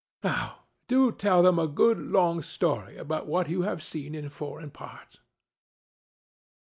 Now, do tell them a good long story about what you have seen in foreign parts."